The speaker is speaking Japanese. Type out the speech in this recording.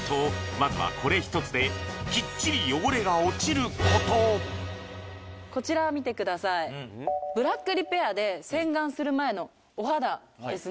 まずはこれ一つでキッチリ汚れが落ちることこちら見てくださいブラックリペアで洗顔する前のお肌ですね